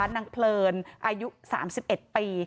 นางเพลินอายุ๓๑ปี